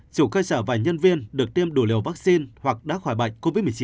chủ cơ sở và nhân viên được tiêm đủ liều vaccine hoặc đã khỏi bệnh covid một mươi chín